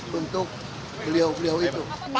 mantuk beliau beliau itu